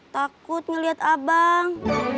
takut ngeliat abang